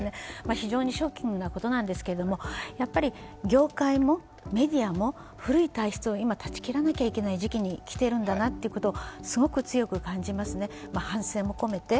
非常にショッキングなことなんですけれどもやっぱり業界も、メディアも古い体質を今、断ち切らなきゃいけない時期に来ているんだなということをすごく強く感じますね、反省も込めて。